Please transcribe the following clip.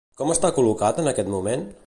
Com està col·locat en aquest moment?